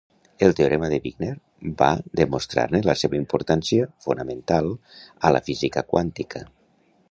El teorema de Wigner va demostra-ne la seva importància fonamental a la física quàntica.